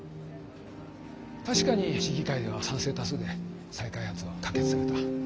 確かに市議会では賛成多数で再開発は可決された。